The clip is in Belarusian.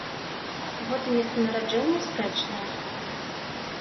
Год і месца нараджэння спрэчныя.